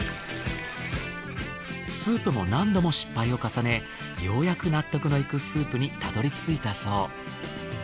スープも何度も失敗を重ねようやく納得のいくスープにたどり着いたそう。